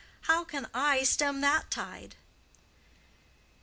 How can I stem that tide?"